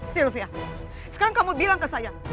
sylvia sekarang kamu bilang ke saya